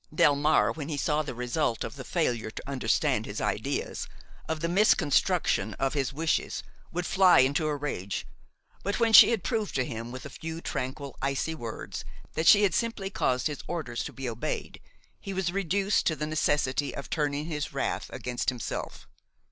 Delmare, when he saw the result of the failure to understand his ideas, of the misconstruction of his wishes, would fly into a rage; but when she had proved to him with a few tranquil, icy words that she had simply caused his orders to be obeyed, he was reduced to the necessity of turning his wrath against himself.